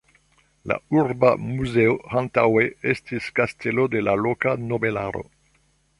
La urba muzeo antaŭe estis kastelo de la loka nobelaro.